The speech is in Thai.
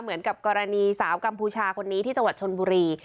เหมือนกับกรณีสาวกัมพูชาคนนี้ที่จังหวัดชนบุรี